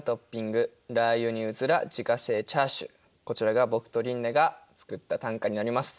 こちらが僕と琳寧が作った短歌になります。